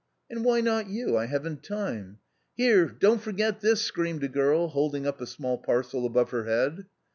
" And why not you ? I haven't time !"" Here, don't forget this," screamed a girl, holding up a small parcel above her head.